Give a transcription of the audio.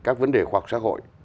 các vấn đề khoa học xã hội